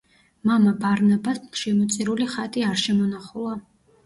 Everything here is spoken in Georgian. მამა ბარნაბას შემოწირული ხატი არ შემონახულა.